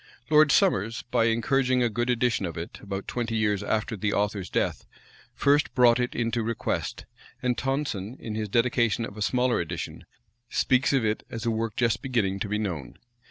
Lord Somers, by encouraging a good edition of it, about twenty years after the author's death, first brought it into request; and Tonson, in his dedication of a smaller edition, speaks of it as a work just beginning to be known.